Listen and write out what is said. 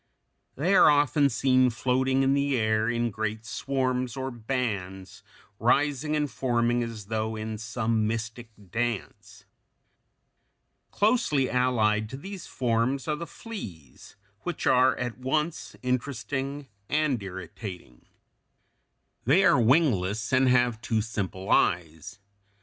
They are often seen floating in the air in great swarms or bands, rising and forming as though in some mystic dance. [Illustration: FIG. 228. The flea and its development.] Closely allied to these forms are the fleas (Fig. 228), which are at once interesting and irritating. They are wingless, and have two simple eyes.